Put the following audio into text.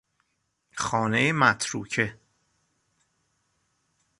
خانهی متروکه